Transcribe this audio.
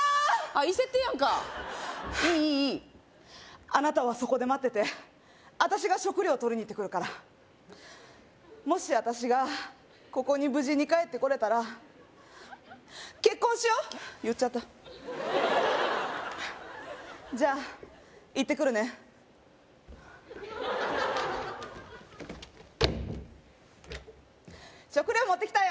いい設定やんかいいいいいいあなたはそこで待ってて私が食料取りに行ってくるからもし私がここに無事に帰ってこれたら結婚しよう言っちゃったじゃあ行ってくるね食料持ってきたよ